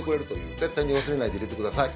絶対に忘れないで入れてください。